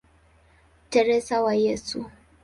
Teresa wa Yesu".